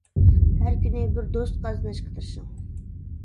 ھەر كۈنى بىر دوست قازىنىشقا تىرىشىڭ.